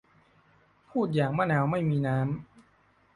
พูดอย่างมะนาวไม่มีน้ำ